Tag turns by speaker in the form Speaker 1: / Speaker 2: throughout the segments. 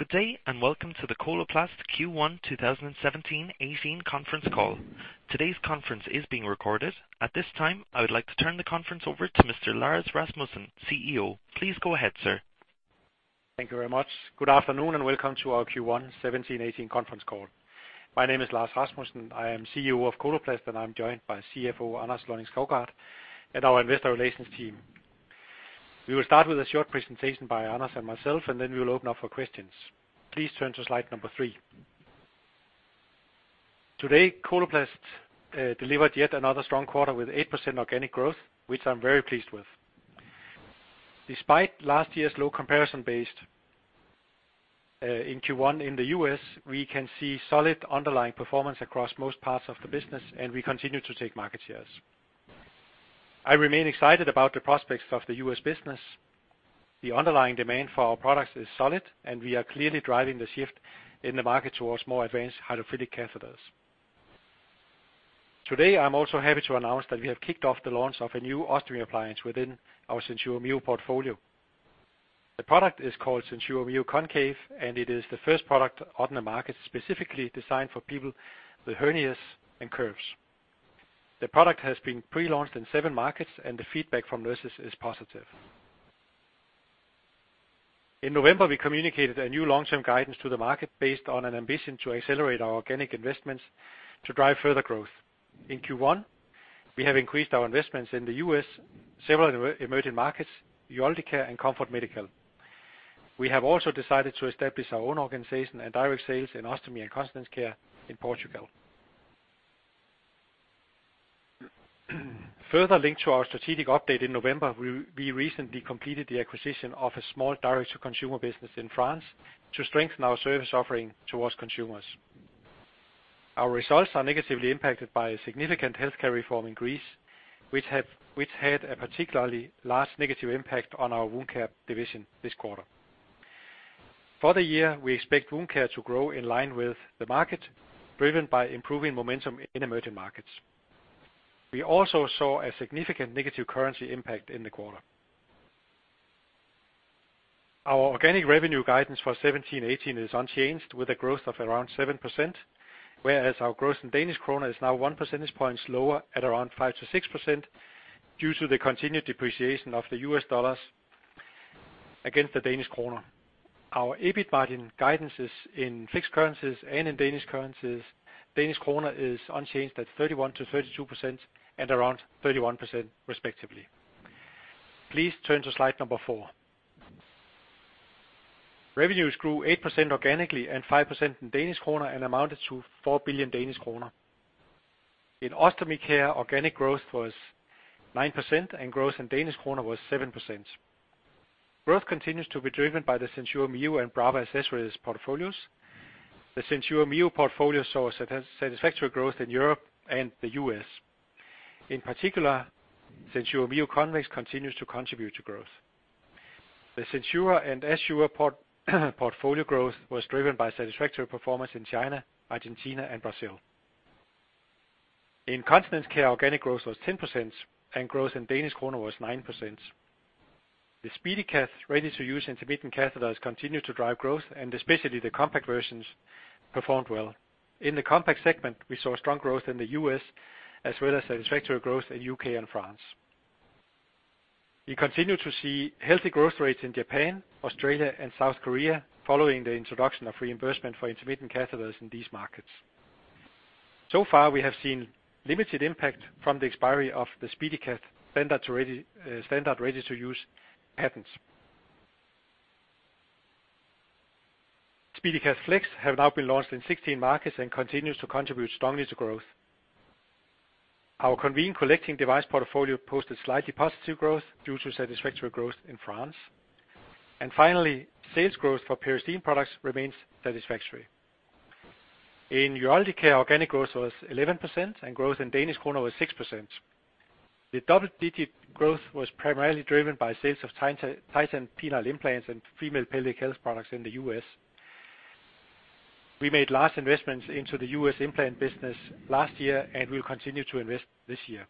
Speaker 1: Good day. Welcome to the Coloplast Q1 2017/2018 conference call. Today's conference is being recorded. At this time, I would like to turn the conference over to Mr. Lars Rasmussen, CEO. Please go ahead, sir.
Speaker 2: Thank you very much. Good afternoon, welcome to our Q1 2017/2018 conference call. My name is Lars Rasmussen. I am CEO of Coloplast, and I'm joined by CFO Anders Lonning-Skovgaard, and our investor relations team. We will start with a short presentation by Anders and myself, we will open up for questions. Please turn to slide number three. Today, Coloplast delivered yet another strong quarter with 8% organic growth, which I'm very pleased with. Despite last year's low comparison based in Q1 in the U.S., we can see solid underlying performance across most parts of the business, and we continue to take market shares. I remain excited about the prospects of the U.S. business. The underlying demand for our products is solid, and we are clearly driving the shift in the market towards more advanced hydrophilic catheters. Today, I'm also happy to announce that we have kicked off the launch of a new ostomy appliance within our SenSura Mio portfolio. The product is called SenSura Mio Concave, and it is the first product on the market specifically designed for people with hernias and curves. The product has been pre-launched in seven markets, and the feedback from nurses is positive. In November, we communicated a new long-term guidance to the market based on an ambition to accelerate our organic investments to drive further growth. In Q1, we have increased our investments in the U.S., several emerging markets, Urocare, and Comfort Medical. We have also decided to establish our own organization and direct sales in ostomy and continence care in Portugal. Linked to our strategic update in November, we recently completed the acquisition of a small direct-to-consumer business in France to strengthen our service offering towards consumers. Our results are negatively impacted by a significant healthcare reform in Greece, which had a particularly large negative impact on our Wound Care division this quarter. For the year, we expect Wound Care to grow in line with the market, driven by improving momentum in emerging markets. We also saw a significant negative currency impact in the quarter. Our organic revenue guidance for 2017/2018 is unchanged, with a growth of around 7%, whereas our growth in Danish kroner is now 1 percentage point lower at around 5% to 6% due to the continued depreciation of the U.S. dollars against the Danish kroner. Our EBIT margin guidance is in fixed currencies, Danish kroner is unchanged at 31% to 32% and around 31% respectively. Please turn to slide number four. Revenues grew 8% organically and 5% in Danish kroner and amounted to 4 billion. In Ostomy Care, organic growth was 9%, and growth in Danish kroner was 7%. Growth continues to be driven by the SenSura Mio and Brava accessories portfolios. The SenSura Mio portfolio saw a satisfactory growth in Europe and the U.S. In particular, SenSura Mio Convex continues to contribute to growth. The SenSura and Assura portfolio growth was driven by satisfactory performance in China, Argentina and Brazil. In Continence Care, organic growth was 10%, and growth in Danish kroner was 9%. The SpeediCath ready-to-use intermittent catheters continue to drive growth, and especially the compact versions performed well. In the compact segment, we saw strong growth in the U.S., as well as satisfactory growth in U.K. and France. We continue to see healthy growth rates in Japan, Australia, and South Korea, following the introduction of reimbursement for intermittent catheters in these markets. So far, we have seen limited impact from the expiry of the SpeediCath standard ready-to-use patents. SpeediCath Flex have now been launched in 16 markets and continues to contribute strongly to growth. Our Conveen collecting device portfolio posted slightly positive growth due to satisfactory growth in France. Finally, sales growth for Peristeen products remains satisfactory. In UroCare, organic growth was 11%, and growth in Danish kroner was 6%. The double-digit growth was primarily driven by sales of Titan penile implants and Female Pelvic Health products in the U.S. We made large investments into the U.S. implant business last year and will continue to invest this year.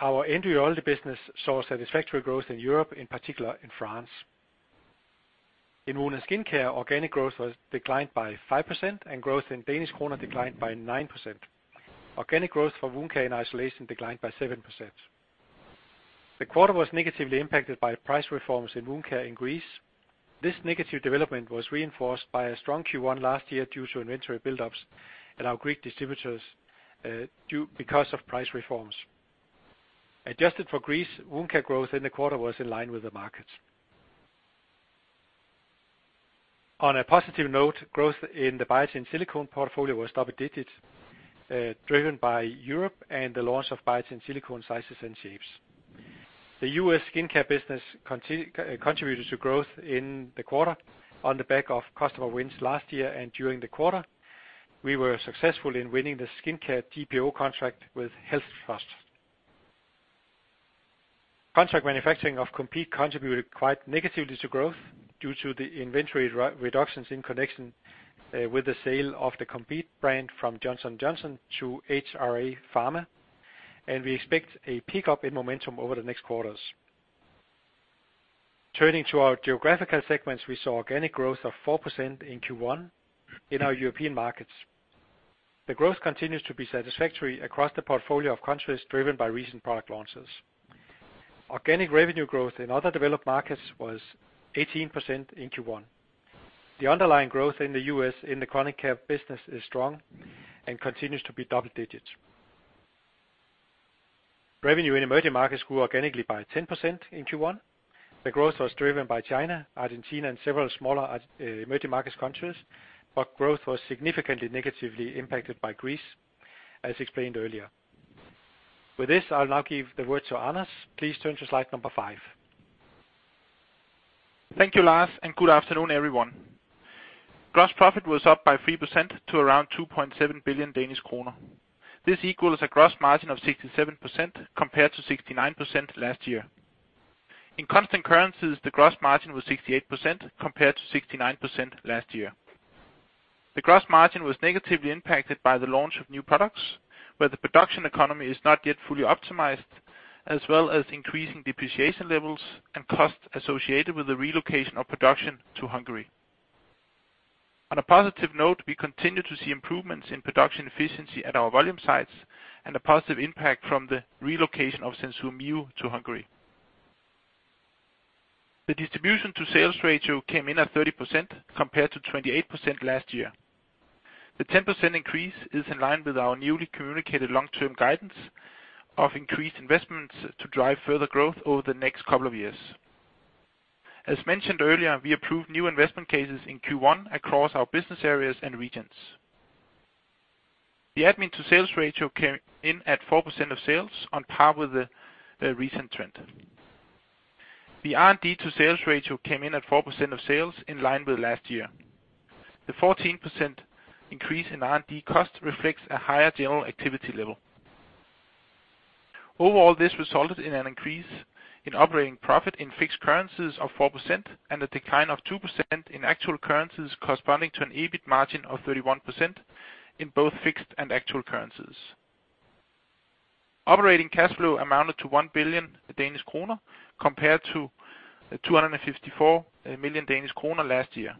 Speaker 2: Our end Uro business saw satisfactory growth in Europe, in particular in France. In Wound & Skin Care, organic growth was declined by 5%, and growth in Danish kroner declined by 9%. Organic growth for Wound Care in isolation declined by 7%. The quarter was negatively impacted by price reforms in Wound Care in Greece. This negative development was reinforced by a strong Q1 last year because of price reforms. Adjusted for Greece, Wound Care growth in the quarter was in line with the market. On a positive note, growth in the Biatain Silicone portfolio was double digits, driven by Europe and the launch of Biatain Silicone sizes and shapes. The U.S. skincare business contributed to growth in the quarter on the back of customer wins last year and during the quarter. We were successful in winning the skincare GPO contract with HealthTrust. Contract manufacturing of Compeed contributed quite negatively to growth due to the inventory re-reductions in connection with the sale of the Compeed brand from Johnson & Johnson to HRA Pharma. We expect a pick up in momentum over the next quarters. Turning to our geographical segments, we saw organic growth of 4% in Q1 in our European markets. The growth continues to be satisfactory across the portfolio of countries driven by recent product launches. Organic revenue growth in other developed markets was 18% in Q1. The underlying growth in the U.S. in the chronic care business is strong and continues to be double digits. Revenue in emerging markets grew organically by 10% in Q1. The growth was driven by China, Argentina, and several smaller emerging markets countries, but growth was significantly negatively impacted by Greece, as explained earlier. With this, I'll now give the word to Anders. Please turn to slide number five.
Speaker 3: Thank you, Lars. Good afternoon, everyone. Gross profit was up by 3% to around 2.7 billion Danish kroner. This equals a gross margin of 67% compared to 69% last year. In constant currencies, the gross margin was 68% compared to 69% last year. The gross margin was negatively impacted by the launch of new products, where the production economy is not yet fully optimized, as well as increasing depreciation levels and costs associated with the relocation of production to Hungary. On a positive note, we continue to see improvements in production efficiency at our volume sites and a positive impact from the relocation of SenSura Mio to Hungary. The distribution to sales ratio came in at 30% compared to 28% last year. The 10% increase is in line with our newly communicated long-term guidance of increased investments to drive further growth over the next couple of years. As mentioned earlier, we approved new investment cases in Q1 across our business areas and regions. The Admin to sales ratio came in at 4% of sales on par with the recent trend. The R&D to sales ratio came in at 4% of sales in line with last year. The 14% increase in R&D cost reflects a higher general activity level. Overall, this resulted in an increase in operating profit in fixed currencies of 4% and a decline of 2% in actual currencies, corresponding to an EBIT margin of 31% in both fixed and actual currencies. Operating cash flow amounted to 1 billion Danish kroner, compared to 254 million Danish kroner last year.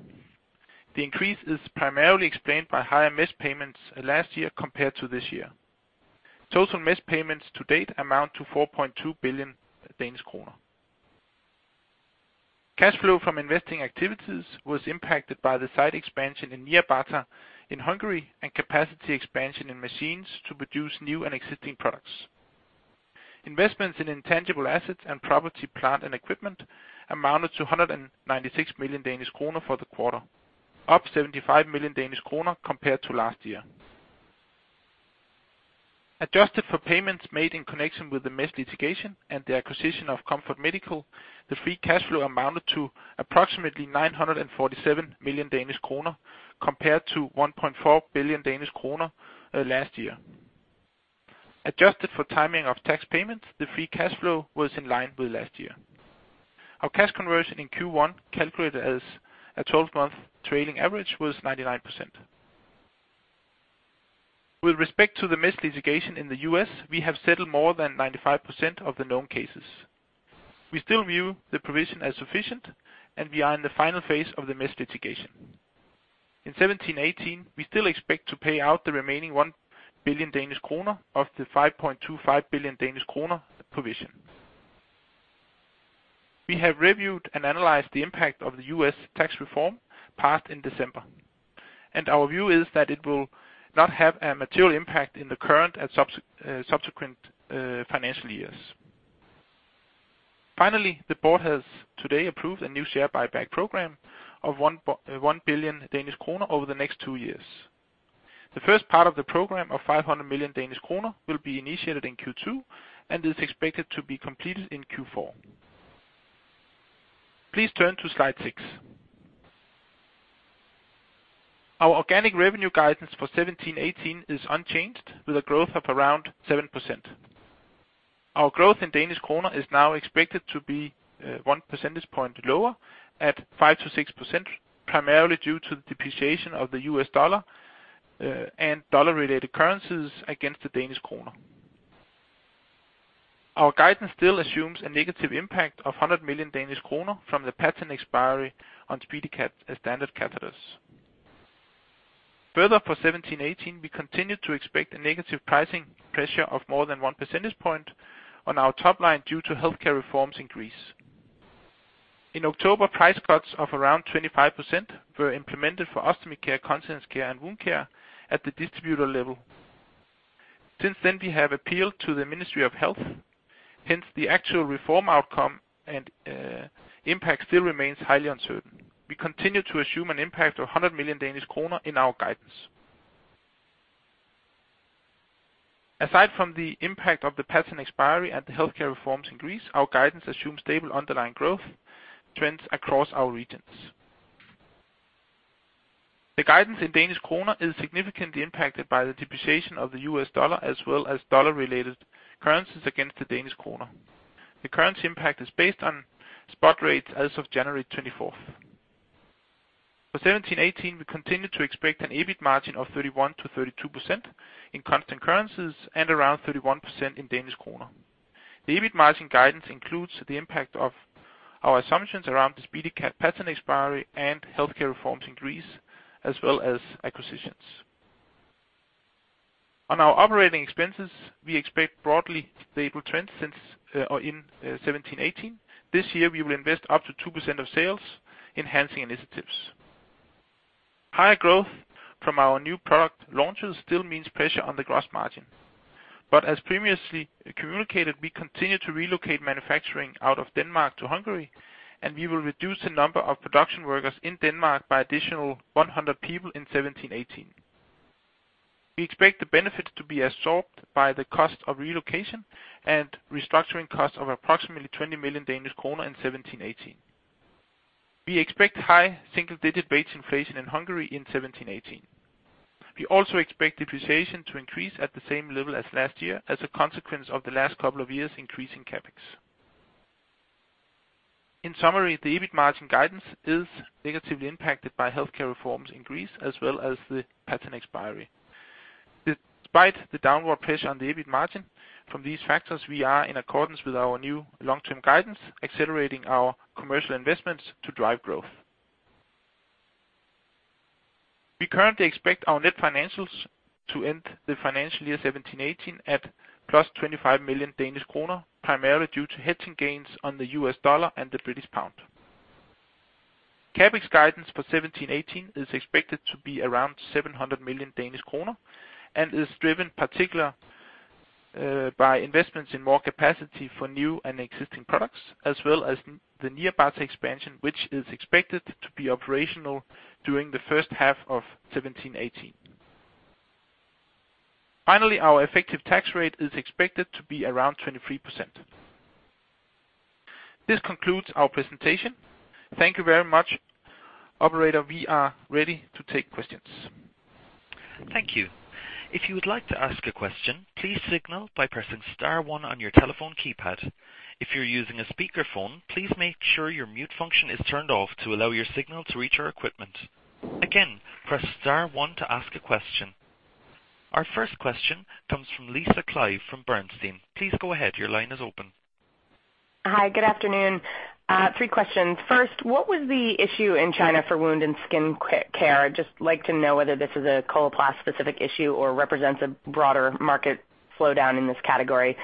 Speaker 3: The increase is primarily explained by higher mesh payments last year compared to this year. Total mesh payments to date amount to 4.2 billion Danish kroner. Cash flow from investing activities was impacted by the site expansion in Nyírbátor in Hungary and capacity expansion in machines to produce new and existing products. Investments in intangible assets and property, plant, and equipment amounted to 196 million Danish kroner for the quarter, up 75 million Danish kroner compared to last year. Adjusted for payments made in connection with the mesh litigation and the acquisition of Comfort Medical, the free cash flow amounted to approximately 947 million Danish kroner compared to 1.4 billion Danish kroner last year. Adjusted for timing of tax payments, the free cash flow was in line with last year. Our cash conversion in Q1, calculated as a 12-month trailing average, was 99%. With respect to the mesh litigation in the U.S., we have settled more than 95% of the known cases. We still view the provision as sufficient. We are in the final phase of the mesh litigation. In 2017/2018, we still expect to pay out the remaining 1 billion Danish kroner of the 5.25 billion Danish kroner provision. We have reviewed and analyzed the impact of the U.S. tax reform passed in December. Our view is that it will not have a material impact in the current and subsequent financial years. Finally, the board has today approved a new share buyback program of 1 billion Danish kroner over the next two years. The first part of the program, of 500 million Danish kroner, will be initiated in Q2 and is expected to be completed in Q4. Please turn to slide six. Our organic revenue guidance for 2017/2018 is unchanged, with a growth of around 7%. Our growth in Danish kroner is now expected to be 1 percentage point lower at 5% to 6%, primarily due to the depreciation of the US dollar and dollar-related currencies against the Danish kroner. Our guidance still assumes a negative impact of 100 million Danish kroner from the patent expiry on SpeediCath standard catheters. For 2017/2018, we continue to expect a negative pricing pressure of more than 1 percentage point on our top line due to healthcare reforms in Greece. In October, price cuts of around 25% were implemented for Ostomy Care, Continence Care, and Wound Care at the distributor level. Since then, we have appealed to the Ministry of Health, hence, the actual reform outcome and impact still remains highly uncertain. We continue to assume an impact of 100 million Danish kroner in our guidance. Aside from the impact of the patent expiry and the healthcare reforms in Greece, our guidance assumes stable underlying growth trends across our regions. The guidance in Danish kroner is significantly impacted by the depreciation of the US dollar, as well as dollar-related currencies against the Danish kroner. The currency impact is based on spot rates as of January 24th. For 2017/2018, we continue to expect an EBIT margin of 31% to 32% in constant currencies and around 31% in Danish kroner. The EBIT margin guidance includes the impact of our assumptions around the SpeediCath patent expiry and healthcare reforms in Greece, as well as acquisitions. On our operating expenses, we expect broadly stable trends since or in 2017/2018. This year, we will invest up to 2% of sales, enhancing initiatives. Higher growth from our new product launches still means pressure on the gross margin. As previously communicated, we continue to relocate manufacturing out of Denmark to Hungary, and we will reduce the number of production workers in Denmark by additional 100 people in 2017/2018. We expect the benefits to be absorbed by the cost of relocation and restructuring costs of approximately 20 million Danish kroner in 2017/2018. We expect high single-digit wage inflation in Hungary in 2017/2018. We also expect depreciation to increase at the same level as last year, as a consequence of the last couple of years increasing CapEx. In summary, the EBIT margin guidance is negatively impacted by healthcare reforms in Greece, as well as the patent expiry. Despite the downward pressure on the EBIT margin from these factors, we are in accordance with our new long-term guidance, accelerating our commercial investments to drive growth. We currently expect our net financials to end the financial year 2017/2018 at +25 million Danish kroner, primarily due to hedging gains on the US dollar and the British pound. CapEx guidance for 2017/2018 is expected to be around 700 million Danish kroner, and is driven particular by investments in more capacity for new and existing products, as well as the Nyírbátor expansion, which is expected to be operational during the first half of 2017/2018. Finally, our effective tax rate is expected to be around 23%. This concludes our presentation. Thank you very much. Operator, we are ready to take questions.
Speaker 1: Thank you. If you would like to ask a question, please signal by pressing star one on your telephone keypad. If you're using a speakerphone, please make sure your mute function is turned off to allow your signal to reach our equipment. Again, press star one to ask a question. Our first question comes from Lisa Clive from Bernstein. Please go ahead. Your line is open.
Speaker 4: Hi, good afternoon. Three questions. First, what was the issue in China for Wound & Skin Care? I'd just like to know whether this is a Coloplast specific issue or represents a broader market slowdown in this category.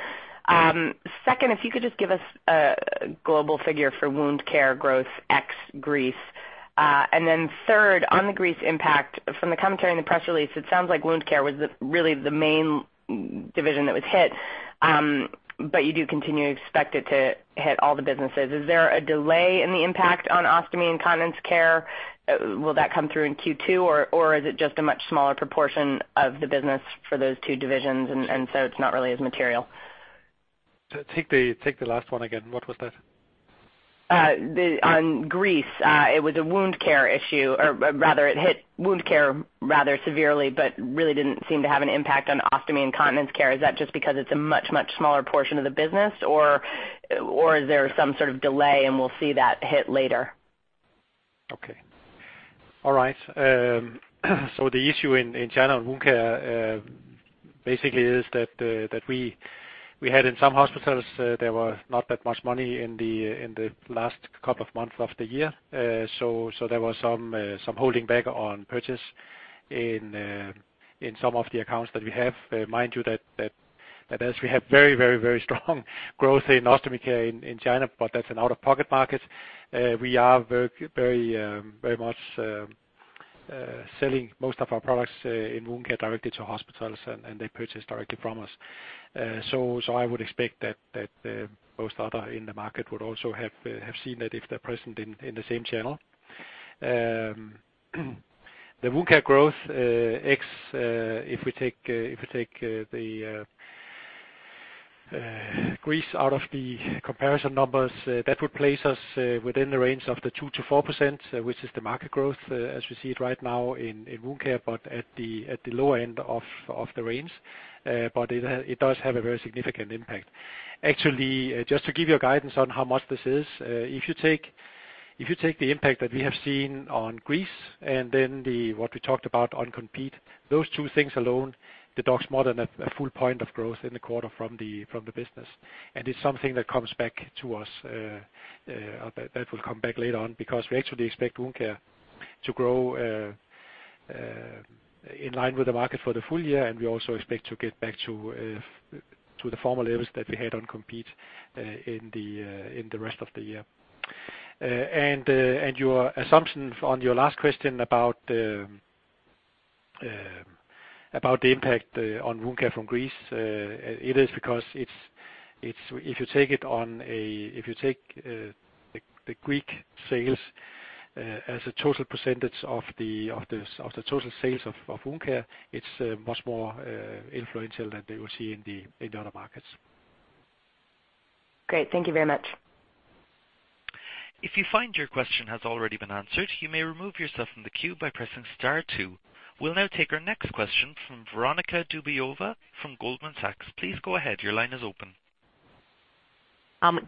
Speaker 4: Second, if you could just give us a global figure for Wound Care growth ex Greece. Third, on the Greece impact, from the commentary in the press release, it sounds like Wound Care was the really the main division that was hit, but you do continue to expect it to hit all the businesses. Is there a delay in the impact on Ostomy and Continence Care? Will that come through in Q2, or is it just a much smaller proportion of the business for those two divisions, and so it's not really as material?
Speaker 3: Take the last one again. What was that?
Speaker 4: On Greece, it was a Wound Care issue, or rather, it hit Wound Care rather severely, but really didn't seem to have an impact on Ostomy Care and Continence Care. Is that just because it's a much, much smaller portion of the business, or is there some sort of delay and we'll see that hit later?
Speaker 3: Okay. All right. The issue in China on wound care basically is that we had in some hospitals there was not that much money in the last couple of months of the year. There was some holding back on purchase in some of the accounts that we have. Mind you, that as we have very strong growth in ostomy care in China, but that's an out-of-pocket market. We are very, very much selling most of our products in wound care directly to hospitals, and they purchase directly from us. I would expect that most other in the market would also have seen that if they're present in the same channel. The Wound Care growth, if we take the Greece out of the comparison numbers, that would place us within the range of the 2% to 4%, which is the market growth as we see it right now in Wound Care, but at the lower end of the range. It does have a very significant impact. Actually, just to give you a guidance on how much this is, if you take the impact that we have seen on Greece, and then what we talked about on Compeed, those two things alone, the docks more than a full point of growth in the quarter from the business. It's something that comes back to us, that will come back later on, because we actually expect Wound Care to grow in line with the market for the full year, and we also expect to get back to the former levels that we had on Compeed in the rest of the year. Your assumption on your last question about the impact on Wound Care from Greece, it is because it's if you take it on a, if you take the Greek sales as a total percentage of the total sales of Wound Care, it's much more influential than you will see in the other markets.
Speaker 4: Great. Thank you very much.
Speaker 1: If you find your question has already been answered, you may remove yourself from the queue by pressing star two. We'll now take our next question from Veronika Dubajova from Goldman Sachs. Please go ahead, your line is open.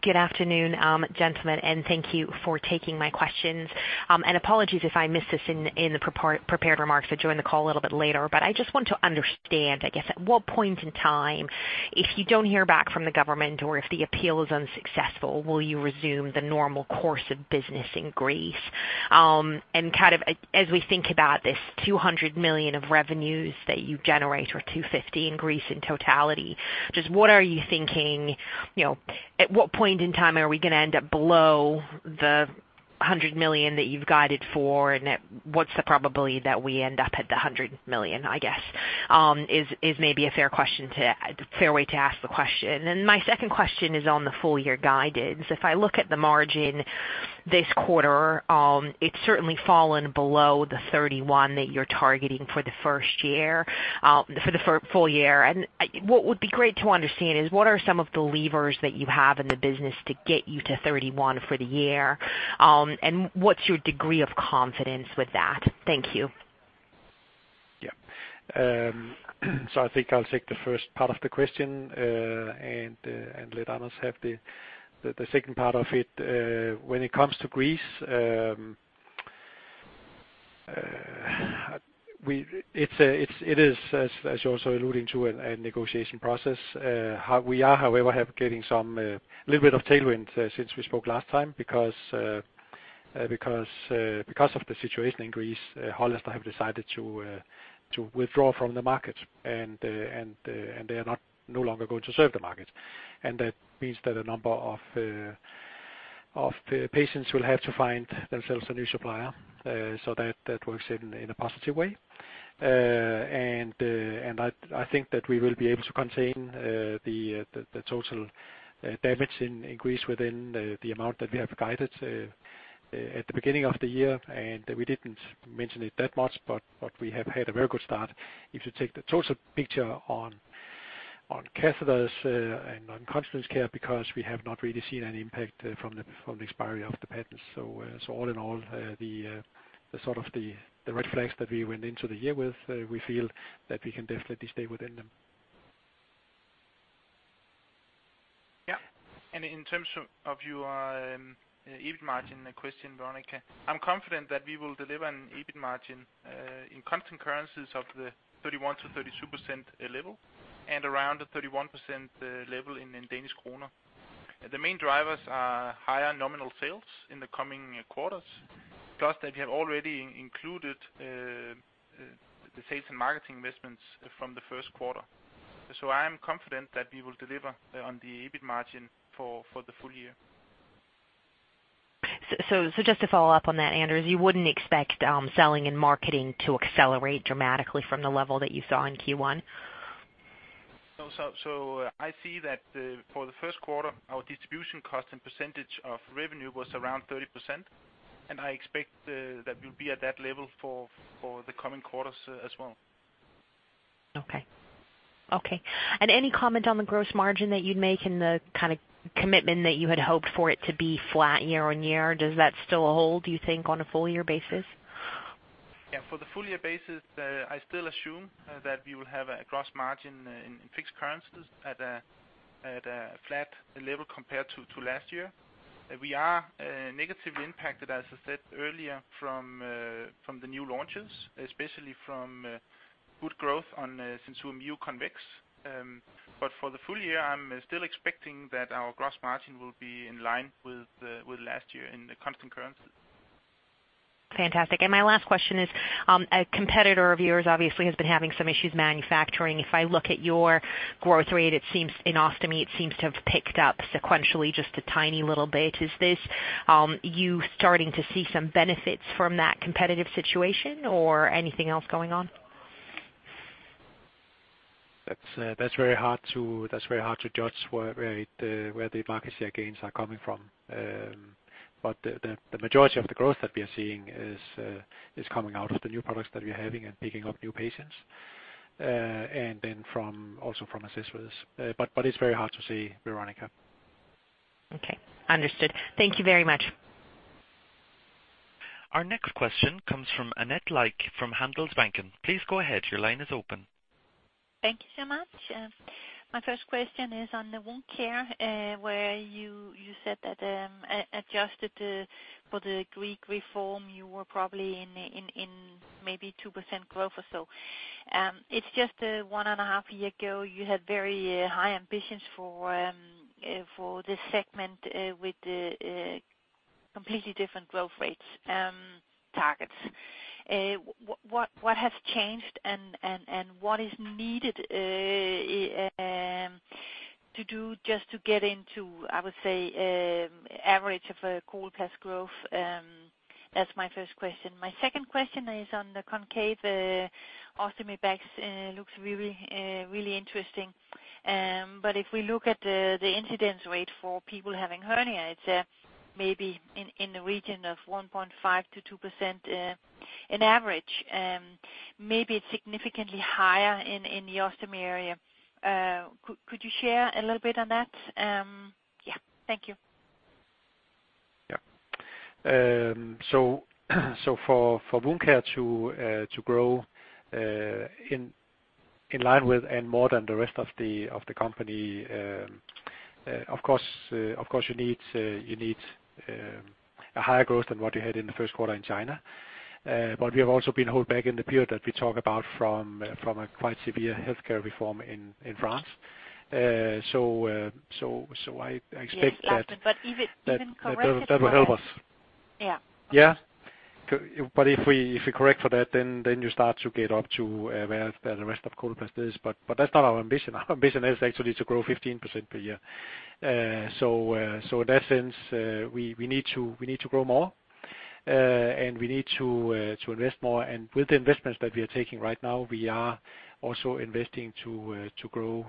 Speaker 5: Good afternoon, gentlemen, and thank you for taking my questions. Apologies if I missed this in the prepared remarks. I joined the call a little bit later, but I just want to understand, I guess, at what point in time, if you don't hear back from the government or if the appeal is unsuccessful, will you resume the normal course of business in Greece? As we think about this 200 million of revenues that you generate, or 250 million in Greece in totality, just what are you thinking? You know, at what point in time are we gonna end up below the 100 million that you've guided for, and at what's the probability that we end up at the 100 million, I guess, is maybe a fair question to, a fair way to ask the question. My second question is on the full year guidance. If I look at the margin this quarter, it's certainly fallen below the 31% that you're targeting for the first year, for the full year. What would be great to understand is what are some of the levers that you have in the business to get you to 31% for the year? What's your degree of confidence with that? Thank you.
Speaker 2: Yeah. I think I'll take the first part of the question and let others have the second part of it. When it comes to Greece, it's a, it is, as you're also alluding to, a negotiation process. We are, however, getting some little bit of tailwind since we spoke last time, because of the situation in Greece, Hollister have decided to withdraw from the market, and they are no longer going to serve the market. That means that a number of the patients will have to find themselves a new supplier, so that works in a positive way. I think that we will be able to contain the total damage in Greece within the amount that we have guided at the beginning of the year. We didn't mention it that much, but we have had a very good start. If you take the total picture on catheters and on Continence Care, because we have not really seen any impact from the expiry of the patents. All in all, the sort of the red flags that we went into the year with, we feel that we can definitely stay within them.
Speaker 3: Yeah. In terms of your, EBIT margin question, Veronika, I'm confident that we will deliver an EBIT margin in constant currencies of the 31% to 32% level, and around a 31% level in Danish kroner. The main drivers are higher nominal sales in the coming quarters, plus that we have already included the sales and marketing investments from the Q1. I am confident that we will deliver on the EBIT margin for the full year.
Speaker 5: So just to follow up on that, Anders, you wouldn't expect, selling and marketing to accelerate dramatically from the level that you saw in Q1?
Speaker 3: I see that, for the Q1, our distribution cost and percentage of revenue was around 30%, and I expect that we'll be at that level for the coming quarters as well.
Speaker 5: Okay. Okay, any comment on the gross margin that you'd make and the kind of commitment that you had hoped for it to be flat year-on-year? Does that still hold, do you think, on a full year basis?
Speaker 3: Yeah, for the full year basis, I still assume that we will have a gross margin in fixed currencies at a flat level compared to last year. We are negatively impacted, as I said earlier, from the new launches, especially from good growth on SenSura Mio Convex. For the full year, I'm still expecting that our gross margin will be in line with last year in the constant currencies.
Speaker 5: Fantastic. My last question is, a competitor of yours obviously has been having some issues manufacturing. If I look at your growth rate, it seems in ostomy, it seems to have picked up sequentially just a tiny little bit. Is this, you starting to see some benefits from that competitive situation or anything else going on?
Speaker 2: That's very hard to judge where the market share gains are coming from. The majority of the growth that we are seeing is coming out of the new products that we're having and picking up new patients, and then from, also from assessments. It's very hard to say, Veronika.
Speaker 5: Okay, understood. Thank you very much.
Speaker 1: Our next question comes from Annette Lykke from Handelsbanken. Please go ahead. Your line is open.
Speaker 6: Thank you so much. My first question is on the Wound Care, where you said that, adjusted the for the Greek reform, you were probably in maybe 2% growth or so. It's just one and a half year ago, you had very high ambitions for this segment, with the completely different growth rates, targets. What has changed and what is needed to do just to get into, I would say, average of a Coloplast growth? That's my first question. My second question is on the Concave ostomy bags. Looks really interesting. If we look at the incidence rate for people having hernia, it's maybe in the region of 1.5% to 2%, in average, maybe significantly higher in the ostomy area. Could you share a little bit on that? Thank you.
Speaker 2: Yeah. So for wound care to grow in line with and more than the rest of the company, of course, you need a higher growth than what you had in the Q1 in China. But we have also been held back in the period that we talk about from a quite severe healthcare reform in France. So I expect that
Speaker 6: Yes, last time. If it's been corrected.
Speaker 2: That will help us.
Speaker 6: Yeah.
Speaker 2: Yeah. If we correct for that, then you start to get up to where the rest of Coloplast is. That's not our ambition. Our ambition is actually to grow 15% per year. In that sense, we need to grow more and we need to invest more. With the investments that we are taking right now, we are also investing to grow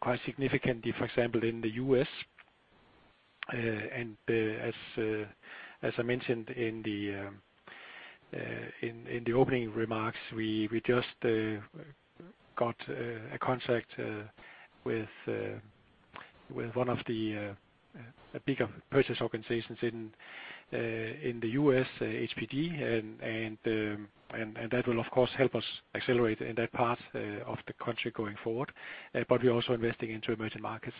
Speaker 2: quite significantly, for example, in the U.S. As I mentioned in the opening remarks, we just got a contract with one of the bigger purchase organizations in the U.S., HPD. That will, of course, help us accelerate in that part of the country going forward. We're also investing into emerging markets.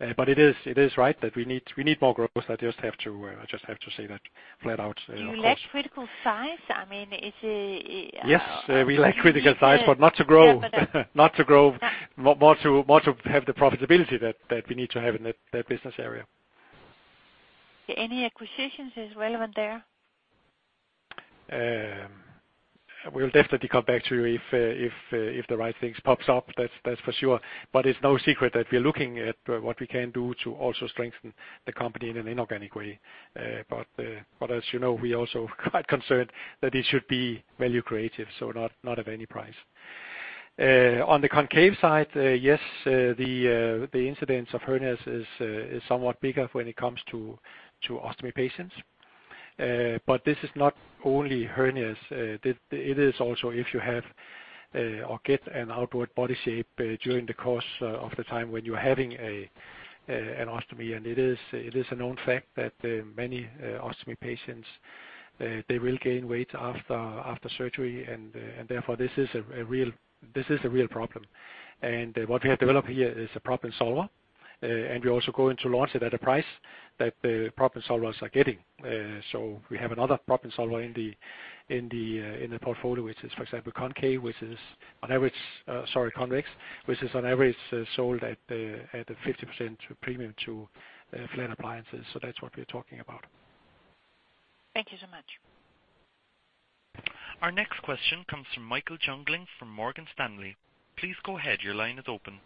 Speaker 2: It is right that we need more growth. I just have to say that flat out, of course.
Speaker 6: You lack critical size? I mean, is it?
Speaker 2: Yes, we lack critical size, but not to grow.
Speaker 6: Yeah.
Speaker 2: Not to grow, more to have the profitability that we need to have in that business area.
Speaker 6: Any acquisitions is relevant there?
Speaker 2: We'll definitely come back to you if the right things pops up, that's for sure. It's no secret that we're looking at what we can do to also strengthen the company in an inorganic way. As you know, we're also quite concerned that it should be value creative, so not at any price. On the Concave side, yes, the incidence of hernias is somewhat bigger when it comes to ostomy patients. This is not only hernias, it is also if you have or get an outward body shape during the course of the time when you're having an ostomy. It is a known fact that many ostomy patients they will gain weight after surgery, and therefore, this is a real problem. What we have developed here is a problem solver, and we're also going to launch it at a price that the problem solvers are getting. We have another problem solver in the portfolio, which is, for example, concave, which is on average, sorry, convex, which is on average, sold at a 50% premium to flat appliances. That's what we're talking about.
Speaker 6: Thank you so much.
Speaker 1: Our next question comes from Michael Jüngling from Morgan Stanley. Please go ahead. Your line is open.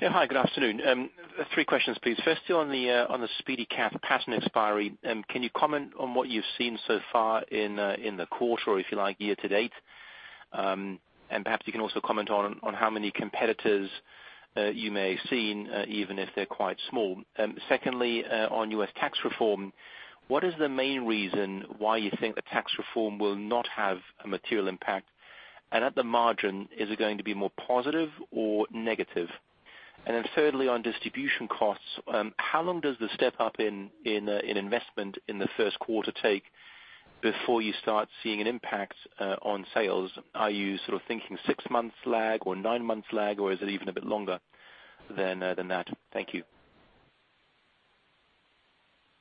Speaker 7: Yeah, hi, good afternoon. Three questions, please. Firstly, on the on the SpeediCath pattern expiry, can you comment on what you've seen so far in in the quarter, or if you like, year to date? Perhaps you can also comment on how many competitors you may have seen, even if they're quite small. Secondly, on U.S. tax reform, what is the main reason why you think the tax reform will not have a material impact? At the margin, is it going to be more positive or negative? Thirdly, on distribution costs, how long does the step-up in investment in the Q1 take before you start seeing an impact on sales? Are you sort of thinking six months lag or nine months lag, or is it even a bit longer than than that? Thank you.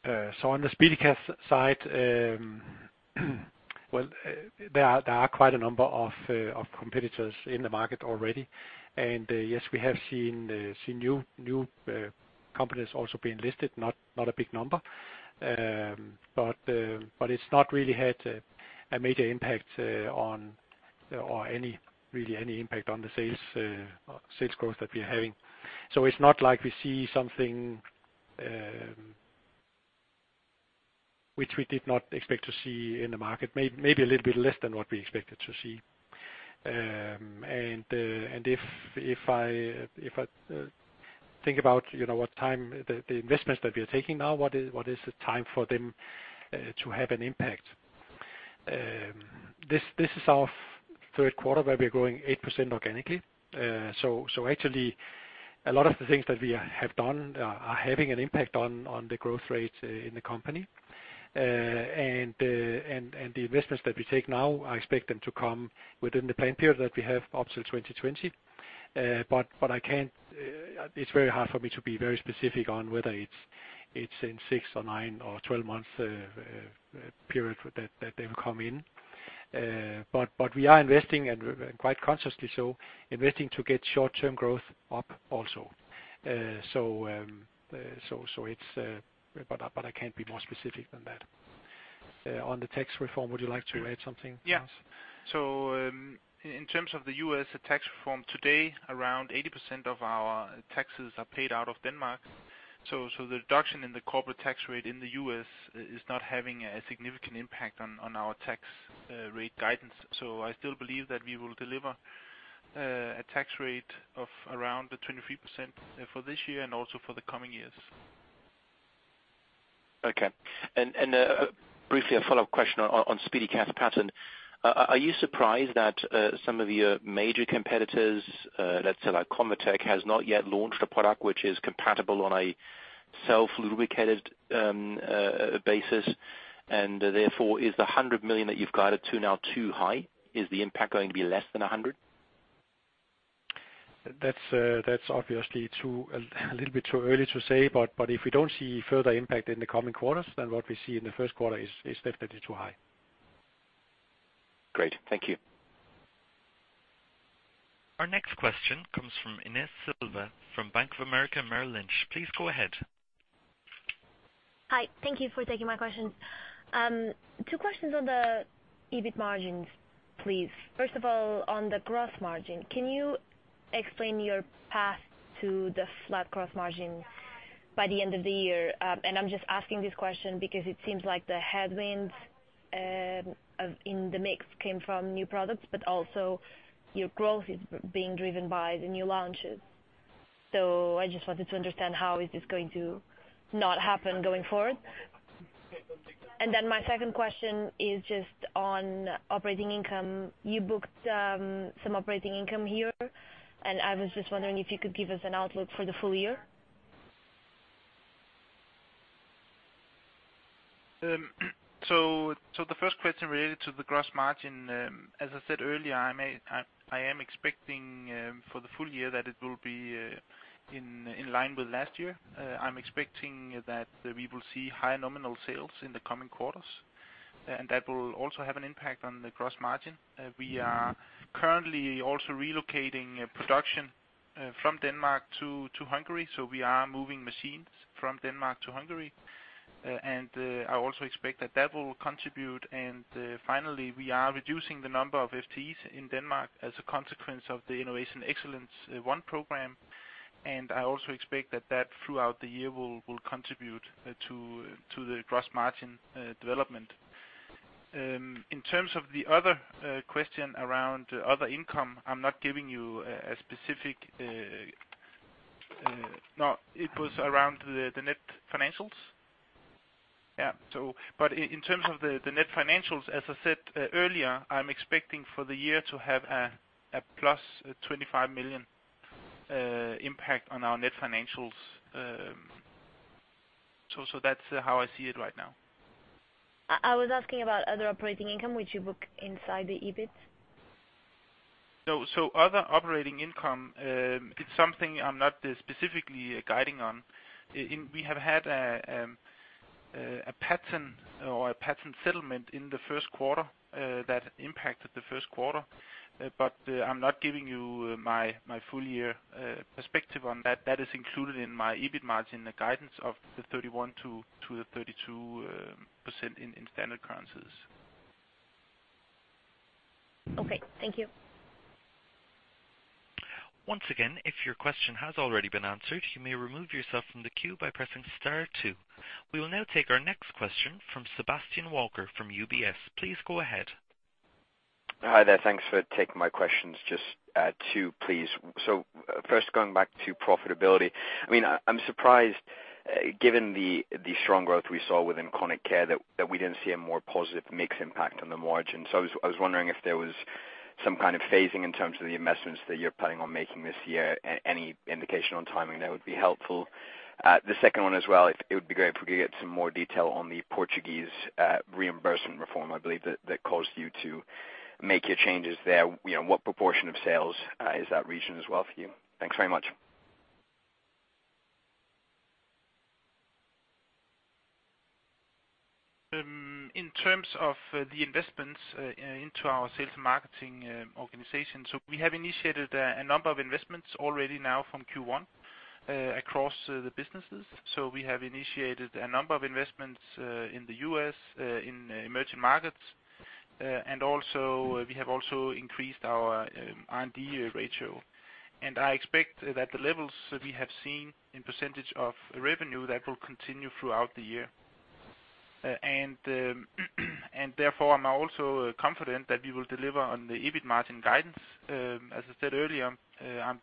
Speaker 2: On the SpeediCath side, there are quite a number of competitors in the market already. Yes, we have seen new companies also being listed, not a big number. It's not really had a major impact on, or any, really any impact on the sales sales growth that we're having. It's not like we see something which we did not expect to see in the market. Maybe a little bit less than what we expected to see. If I think about, you know, what time the investments that we are taking now, what is the time for them to have an impact? This is our Q3 where we are growing 8% organically. Actually, a lot of the things that we have done are having an impact on the growth rate in the company. The investments that we take now, I expect them to come within the time period that we have up to 2020. I can't. It's very hard for me to be very specific on whether it's in six or 9nine or 12 months period that they will come in. We are investing, and quite consciously so, investing to get short-term growth up also. It's. But I can't be more specific than that. On the tax reform, would you like to add something else?
Speaker 3: In terms of the U.S. tax reform, today, around 80% of our taxes are paid out of Denmark. The reduction in the corporate tax rate in the U.S. is not having a significant impact on our tax rate guidance. I still believe that we will deliver a tax rate of around the 23% for this year and also for the coming years.
Speaker 7: Okay. Briefly, a follow-up question on SpeediCath pattern. Are you surprised that some of your major competitors, let's say like ConvaTec, has not yet launched a product which is compatible on a self-lubricated basis, and therefore is the 100 million that you've guided to now too high? Is the impact going to be less than 100 million?
Speaker 2: That's, that's obviously too, a little bit too early to say, but if we don't see further impact in the coming quarters, then what we see in the Q1 is definitely too high.
Speaker 7: Great, thank you.
Speaker 1: Our next question comes from Inês Silva, from Bank of America Merrill Lynch. Please go ahead.
Speaker 8: Hi, thank you for taking my question. Two questions on the EBIT margins, please. First of all, on the gross margin, can you explain your path to the flat gross margin by the end of the year? I'm just asking this question because it seems like the headwinds, in the mix came from new products, but also your growth is being driven by the new launches. I just wanted to understand how is this going to not happen going forward? My second question is just on operating income. You booked, some operating income here, I was just wondering if you could give us an outlook for the full year.
Speaker 3: The first question related to the gross margin, as I said earlier, I am expecting for the full year that it will be in line with last year. I'm expecting that we will see higher nominal sales in the coming quarters, and that will also have an impact on the gross margin. We are currently also relocating production from Denmark to Hungary, so we are moving machines from Denmark to Hungary. And I also expect that that will contribute, and finally, we are reducing the number of FTEs in Denmark as a consequence of the Innovation Excellence One program. And I also expect that that throughout the year will contribute to the gross margin development. In terms of the other question around other income, I'm not giving you a specific. It was around the net financials? Yeah, in terms of the net financials, as I said earlier, I'm expecting for the year to have a +25 million impact on our net financials. So that's how I see it right now.
Speaker 8: I was asking about other operating income, which you book inside the EBIT.
Speaker 3: Other operating income, it's something I'm not specifically guiding on. We have had a patent or a patent settlement in the Q1 that impacted the Q1. I'm not giving you my full year perspective on that. That is included in my EBIT margin, the guidance of the 31% to 32% in standard currencies.
Speaker 8: Okay, thank you.
Speaker 1: Once again, if your question has already been answered, you may remove yourself from the queue by pressing star two. We will now take our next question from Sebastian Walker, from UBS. Please go ahead.
Speaker 9: Hi there. Thanks for taking my questions. Just two, please. First, going back to profitability, I mean, I'm surprised, given the strong growth we saw within chronic care, that we didn't see a more positive mix impact on the margins. I was wondering if there was some kind of phasing in terms of the investments that you're planning on making this year? Any indication on timing, that would be helpful. The second one as well, if it would be great if we could get some more detail on the Portuguese reimbursement reform, I believe that caused you to make your changes there. You know, what proportion of sales is that region as well for you? Thanks very much.
Speaker 3: In terms of the investments into our sales and marketing organization, we have initiated a number of investments already now from Q1 across the businesses. We have initiated a number of investments in the U.S., in emerging markets. We have also increased our R&D ratio. I expect that the levels we have seen in % of revenue, that will continue throughout the year. I'm also confident that we will deliver on the EBIT margin guidance. As I said earlier, I'm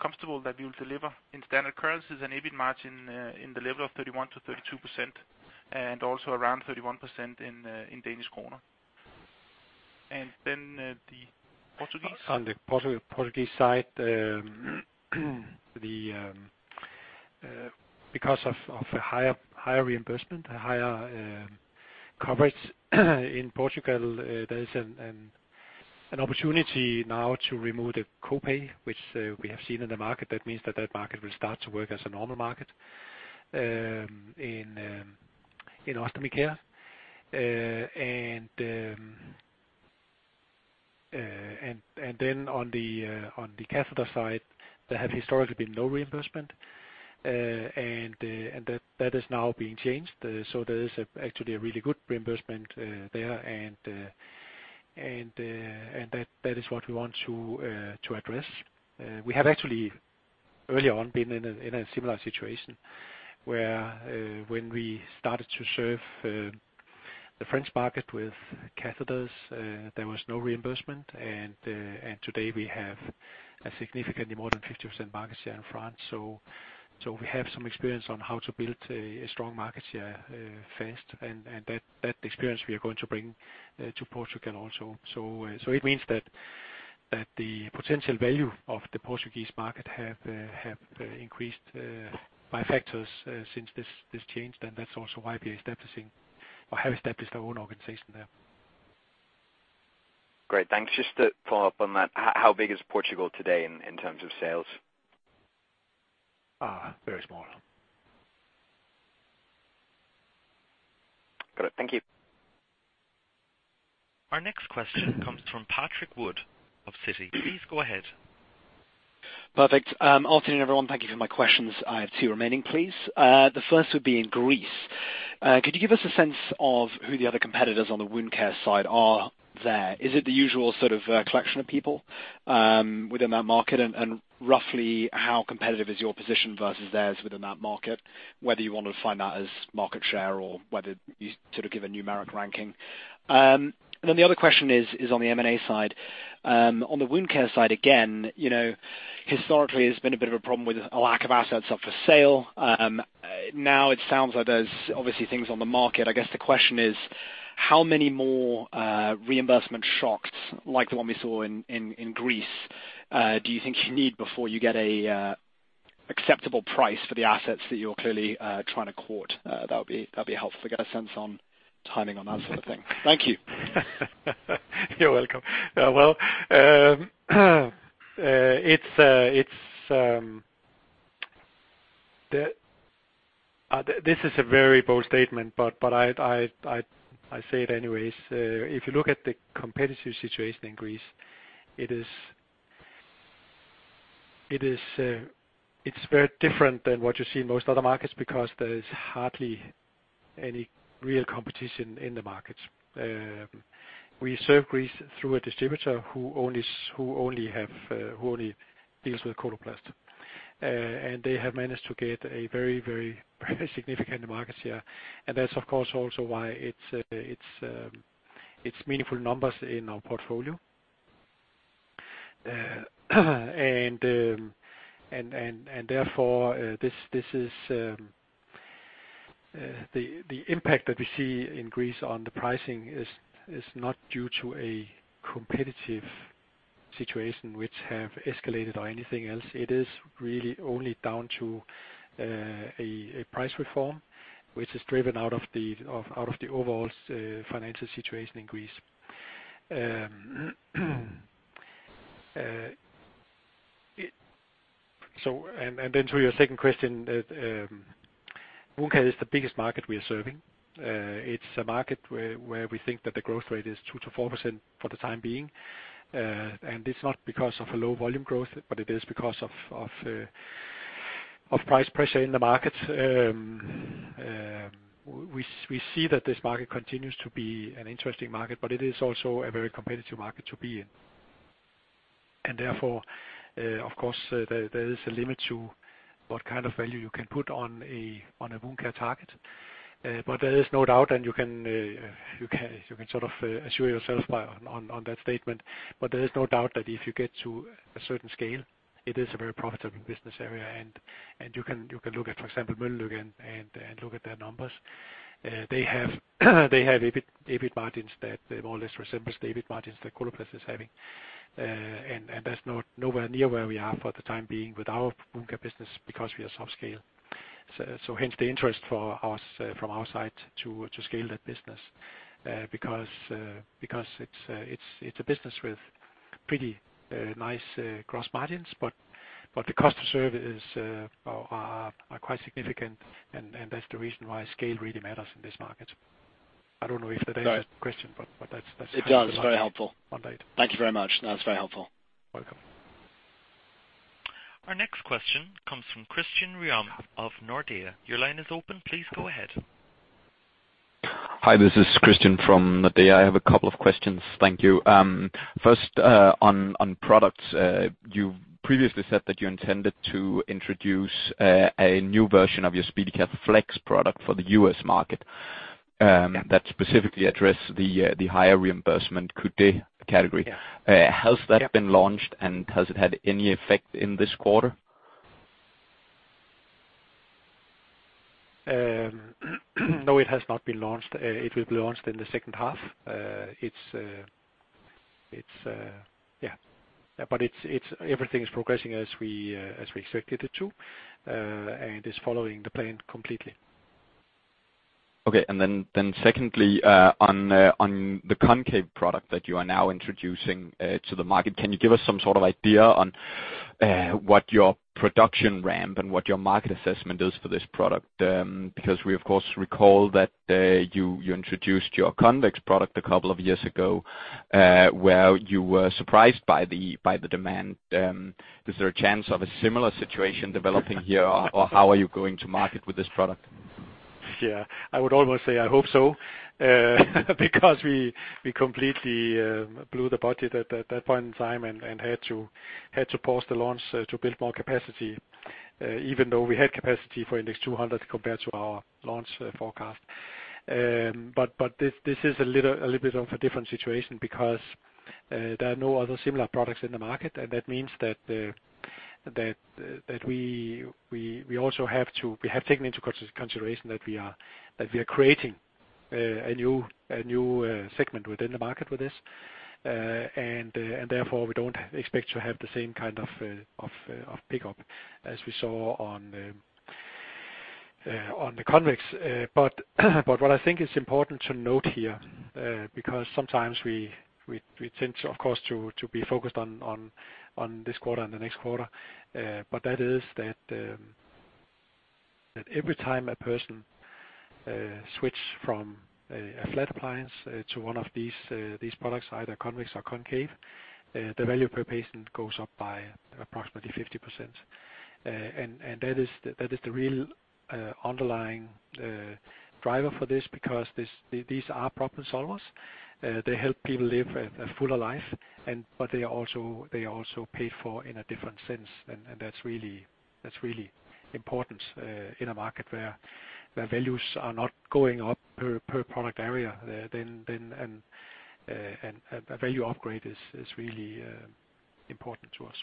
Speaker 3: comfortable that we will deliver in standard currencies and EBIT margin in the level of 31% to 32%, and also around 31% in DKK. The Portuguese?
Speaker 2: On the Portuguese side, the because of a higher reimbursement, a higher coverage, in Portugal, there is an opportunity now to remove the co-pay, which we have seen in the market. That means that market will start to work as a normal market in Ostomy Care. Then on the catheter side, there have historically been no reimbursement. That is now being changed, so there is actually a really good reimbursement there, and that is what we want to address. We have actually earlier on, been in a similar situation, where when we started to serve the French market with catheters, there was no reimbursement, and today we have a significantly more than 50% market share in France. We have some experience on how to build a strong market share fast, and that experience we are going to bring to Portugal also. It means that the potential value of the Portuguese market have increased by factors since this change, that's also why we are establishing or have established our own organization there.
Speaker 9: Great, thanks. Just to follow up on that, how big is Portugal today in terms of sales?
Speaker 2: Very small.
Speaker 9: Got it. Thank you.
Speaker 1: Our next question comes from Patrick Wood of Citi. Please go ahead.
Speaker 10: Perfect. Afternoon, everyone. Thank you for my questions. I have two remaining, please. The first would be in Greece. Could you give us a sense of who the other competitors on the Wound Care side are there? Is it the usual sort of collection of people within that market? Roughly, how competitive is your position versus theirs within that market? Whether you want to define that as market share or whether you sort of give a numeric ranking. The other question is on the M&A side. On the Wound Care side, again, you know, historically, it's been a bit of a problem with a lack of assets up for sale. Now it sounds like there's obviously things on the market. I guess the question is: How many more reimbursement shocks, like the one we saw in Greece, do you think you need before you get an acceptable price for the assets that you're clearly trying to court? That'd be helpful to get a sense on timing on that sort of thing. Thank you.
Speaker 2: You're welcome. Well, this is a very bold statement, but I say it anyways. If you look at the competitive situation in Greece, it is very different than what you see in most other markets, because there is hardly any real competition in the market. We serve Greece through a distributor who only deals with Coloplast. They have managed to get a very significant market share. That's, of course, also why it's meaningful numbers in our portfolio. Therefore, this is the impact that we see in Greece on the pricing is not due to a competitive situation which have escalated or anything else. It is really only down to a price reform, which is driven out of the overall financial situation in Greece. Then to your second question, wound care is the biggest market we are serving. It's a market where we think that the growth rate is 2% to 4% for the time being. It's not because of a low volume growth, but it is because of price pressure in the market. We see that this market continues to be an interesting market, but it is also a very competitive market to be in. Therefore, of course, there is a limit to what kind of value you can put on a wound care target. There is no doubt, and you can sort of assure yourself by on that statement, there is no doubt that if you get to a certain scale, it is a very profitable business area. You can look at, for example, Mölnlycke and look at their numbers. They have EBIT margins that they more or less resembles the EBIT margins that Coloplast is having. That's not nowhere near where we are for the time being with our Wound Care business because we are soft scale. Hence the interest for us, from our side to scale that business because because it's a business with pretty nice gross margins, but the cost to serve is are quite significant, and that's the reason why scale really matters in this market. I don't know if that answers the question, but that's.
Speaker 10: It does. It's very helpful.
Speaker 2: One date.
Speaker 10: Thank you very much. That's very helpful.
Speaker 2: Welcome.
Speaker 1: Our next question comes from Kristian Johansen of Nordea. Your line is open. Please go ahead.
Speaker 11: Hi, this is Kristian from Nordea. I have a couple of questions. Thank you. First, on products. You previously said that you intended to introduce a new version of your SpeediCath Flex product for the U.S. market.
Speaker 2: Yeah.
Speaker 11: That specifically addressed the higher reimbursement Coudé category.
Speaker 2: Yeah.
Speaker 11: Has that been launched, and has it had any effect in this quarter?
Speaker 2: No, it has not been launched. It will be launched in the second half. It's everything is progressing as we expected it to, and is following the plan completely.
Speaker 11: Then secondly, on the Concave product that you are now introducing to the market, can you give us some sort of idea on what your production ramp and what your market assessment is for this product? We, of course, recall that you introduced your Convex product a couple of years ago, where you were surprised by the demand. Is there a chance of a similar situation developing here? How are you going to market with this product?
Speaker 2: Yeah, I would almost say I hope so, because we completely blew the budget at that point in time, and had to pause the launch to build more capacity, even though we had capacity for index 200 compared to our launch forecast. This is a little bit of a different situation because there are no other similar products in the market. That means that we also have taken into consideration that we are creating a new segment within the market with this. Therefore, we don't expect to have the same kind of pickup as we saw on the Convex. What I think is important to note here, because sometimes we tend to, of course, to be focused on this quarter and the next quarter. That is that every time a person switch from a flat appliance to one of these products, either convex or concave, the value per patient goes up by approximately 50%. That is the real underlying driver for this, because these are problem solvers. They help people live a fuller life, and but they are also paid for in a different sense, and that's really important, in a market where values are not going up per product area, then, and a value upgrade is really important to us.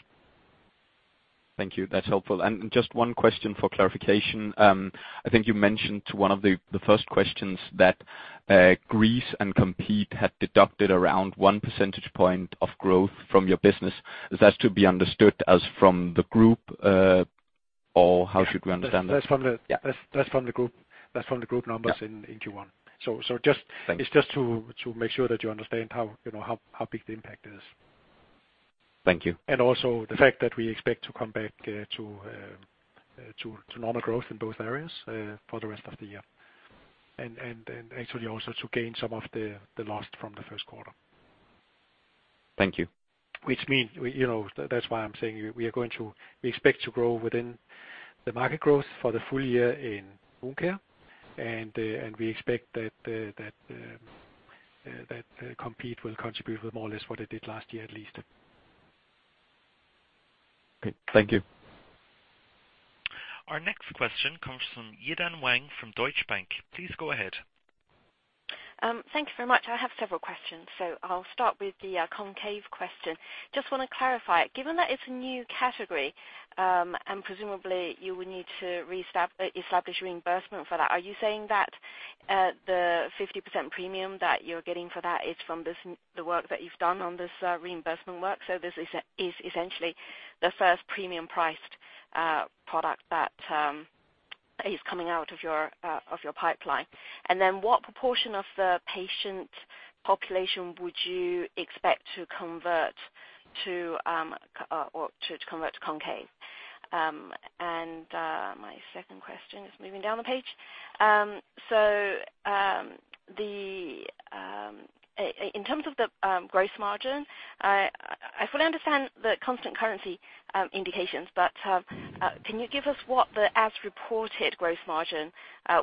Speaker 11: Thank you. That's helpful. Just one question for clarification. I think you mentioned to one of the first questions that Greece and Compeed had deducted around 1 percentage point of growth from your business. Is that to be understood as from the group, or how should we understand that?
Speaker 2: That's from.
Speaker 11: Yeah.
Speaker 2: That's from the group numbers.
Speaker 11: Yeah
Speaker 2: in Q1.
Speaker 11: Thank you.
Speaker 2: It's just to make sure that you understand how, you know, how big the impact is.
Speaker 11: Thank you.
Speaker 2: The fact that we expect to come back to normal growth in both areas for the rest of the year. Actually also to gain some of the lost from the Q1.
Speaker 11: Thank you.
Speaker 2: Which means, we, you know, that's why I'm saying we expect to grow within the market growth for the full year in Wound Care, and we expect that Compeed will contribute with more or less what it did last year, at least.
Speaker 11: Okay. Thank you.
Speaker 1: Our next question comes from Yi-Dan Wang from Deutsche Bank. Please go ahead.
Speaker 12: Thank you very much. I have several questions. I'll start with the Concave question. Just want to clarify, given that it's a new category, and presumably you would need to establish reimbursement for that, are you saying that the 50% premium that you're getting for that is from this, the work that you've done on this reimbursement work? This is essentially the first premium-priced product that is coming out of your pipeline. Then, what proportion of the patient population would you expect to convert to, or to convert to Concave? My second question is moving down the page. In terms of the growth margin, I fully understand the constant currency indications, but can you give us what the as-reported growth margin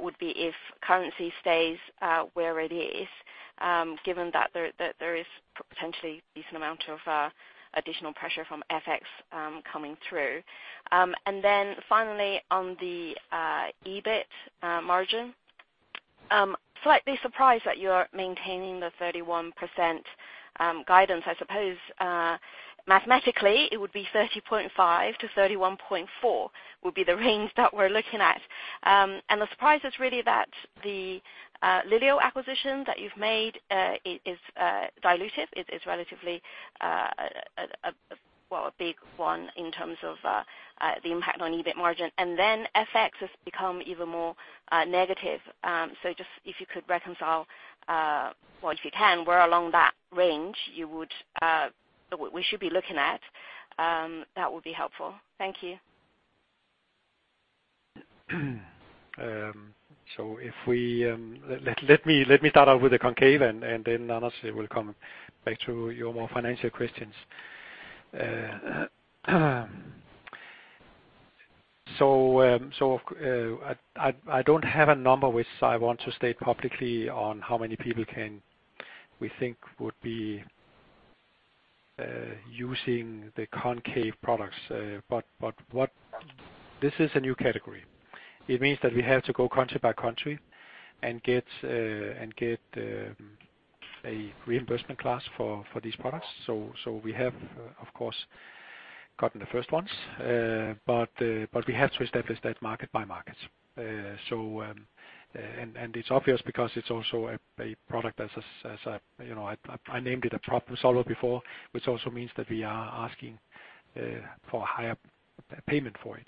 Speaker 12: would be if currency stays where it is, given that there is potentially decent amount of additional pressure from FX coming through? Finally, on the EBIT margin, slightly surprised that you are maintaining the 31% guidance. I suppose, mathematically, it would be 30.5% to 31.4%, would be the range that we're looking at. The surprise is really that the Lilial acquisition that you've made is dilutive. It is relatively a big one in terms of the impact on EBIT margin, and then FX has become even more negative. just if you could reconcile, well, if you can, where along that range you would, we should be looking at, that would be helpful. Thank you.
Speaker 2: If we let me start out with the concave, and then honestly, we'll come back to your more financial questions. I don't have a number which I want to state publicly on how many people we think would be using the concave products, but this is a new category. It means that we have to go country by country and get a reimbursement class for these products. We have, of course, gotten the first ones, but we have to establish that market by market. It's obvious because it's also a product that's as a, you know, I named it a problem solver before, which also means that we are asking for higher payment for it.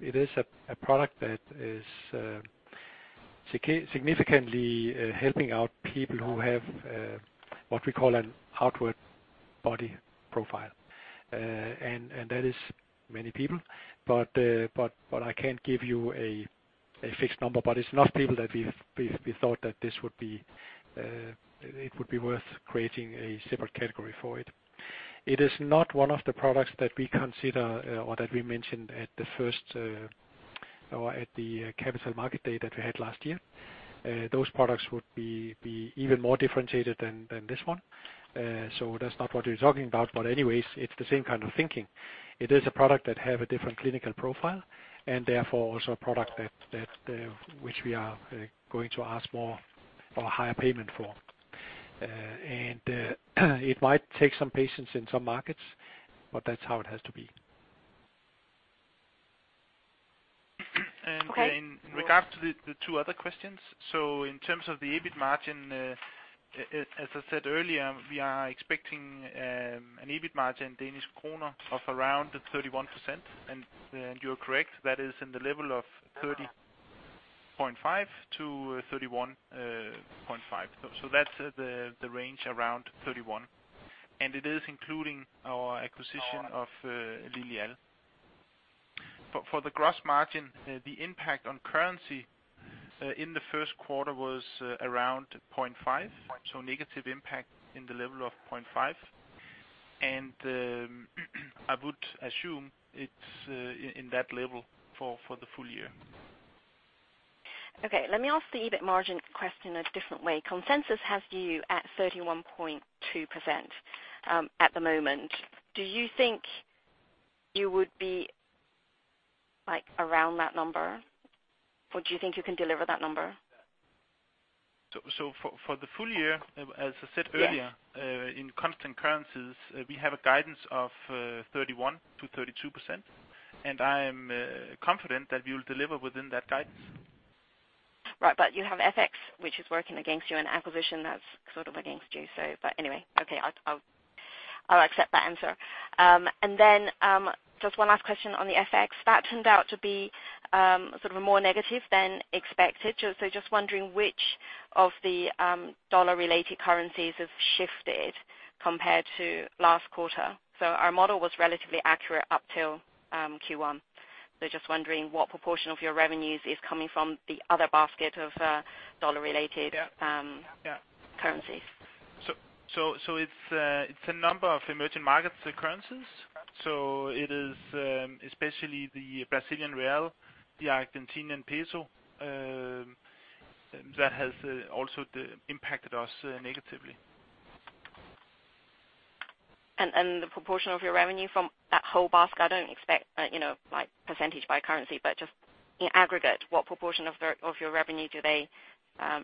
Speaker 2: It is a product that is significantly helping out people who have what we call an outward body profile. That is many people, but I can't give you a fixed number, but it's enough people that we thought that this would be worth creating a separate category for it. It is not one of the products that we consider or that we mentioned at the first or at the capital market day that we had last year. Those products would be even more differentiated than this one. That's not what we're talking about, but anyways, it's the same kind of thinking. It is a product that have a different clinical profile, and therefore, also a product that which we are going to ask more or higher payment for. It might take some patience in some markets, but that's how it has to be.
Speaker 3: In regards to the two other questions, in terms of the EBIT margin, as I said earlier, we are expecting an EBIT margin Danish kroner of around 31%. You're correct, that is in the level of 30.5% to 31.5%. That's the range around 31%, and it is including our acquisition of Lilial. For the gross margin, the impact on currency in the Q1 was around 0.5%, so negative impact in the level of 0.5%. I would assume it's in that level for the full year.
Speaker 12: Okay, let me ask the EBIT margin question a different way. Consensus has you at 31.2% at the moment. Do you think you would be, like, around that number, or do you think you can deliver that number?
Speaker 3: so for the full year, as I said earlier.
Speaker 12: Yes.
Speaker 3: In constant currencies, we have a guidance of 31% to 32%, and I'm confident that we will deliver within that guidance.
Speaker 12: Right. You have FX, which is working against you, and acquisition that's sort of against you, so but anyway, okay, I'll accept that answer. Then, just one last question on the FX. That turned out to be, sort of more negative than expected. Just wondering which of the, dollar-related currencies has shifted compared to last quarter? Our model was relatively accurate up till, Q1. Just wondering what proportion of your revenues is coming from the other basket of, dollar-related-
Speaker 3: Yeah.
Speaker 12: currencies.
Speaker 3: It's a number of emerging markets currencies. It is especially the Brazilian real, the Argentinian peso, that has also the impacted us negatively.
Speaker 12: the proportion of your revenue from that whole basket, I don't expect, you know, like, % by currency, but just in aggregate, what proportion of your revenue do they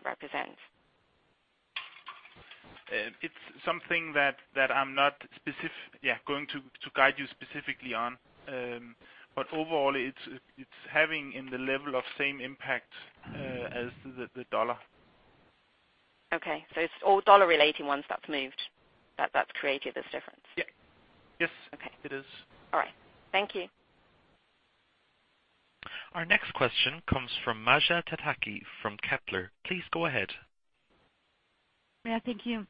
Speaker 12: represent?
Speaker 2: It's something that I'm not going to guide you specifically on. Overall, it's having in the level of same impact as the US dollar.
Speaker 12: Okay. It's all dollar-related ones that's moved, that's created this difference?
Speaker 2: Yeah. Yes.
Speaker 12: Okay.
Speaker 2: It is.
Speaker 12: All right. Thank you.
Speaker 1: Our next question comes from Maja Pataki from Kepler. Please go ahead.
Speaker 13: Yeah, thank you.